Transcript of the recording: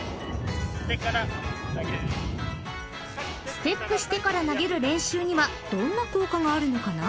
［ステップしてから投げる練習にはどんな効果があるのかな？］